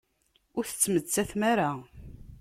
Ur tettmettatem ara!